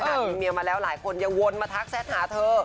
มีเมียมาแล้วหลายคนยังวนมาทักแชทหาเธอ